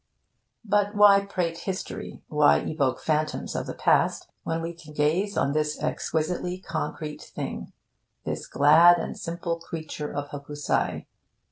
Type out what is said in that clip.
But why prate history, why evoke phantoms of the past, when we can gaze on this exquisitely concrete thing this glad and simple creature of Hokusai?